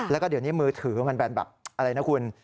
แล้วก็เดี๋ยวนี้มือถือมันเป็นแบบอะไรนะคุณ